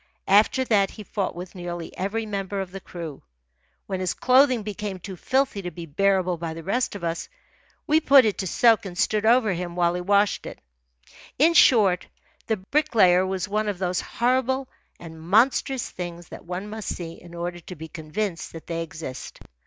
After that he fought with nearly every member of the crew. When his clothing became too filthy to be bearable by the rest of us, we put it to soak and stood over him while he washed it. In short, the Bricklayer was one of those horrible and monstrous things that one must see in order to be convinced that they exist.